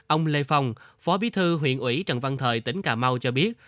ông lê phong phó bí thư huyện ủy trần văn thời tỉnh cà mau cho biết